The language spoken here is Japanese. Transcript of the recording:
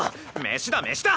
飯だ飯だ！